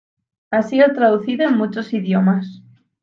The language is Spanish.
Ha sido traducida en muchos idiomas.